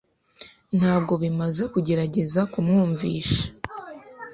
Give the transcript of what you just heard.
Ntabwo bimaze kugerageza kumwumvisha.